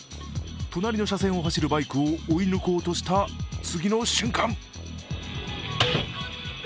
隣の車線を走るバイクを追い抜こうとした次の瞬間。